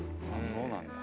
そうなんだ。